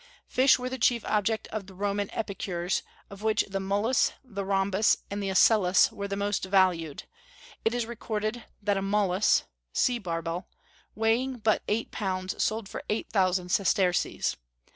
Fish were the chief object of the Roman epicures, of which the mullus, the rhombus, and the asellus were the most valued; it is recorded that a mullus (sea barbel), weighing but eight pounds, sold for eight thousand sesterces.